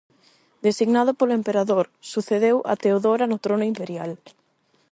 Designado polo emperador, sucedeu a Teodora no trono imperial.